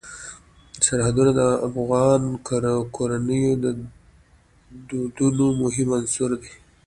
سرحدونه د افغان کورنیو د دودونو مهم عنصر دی.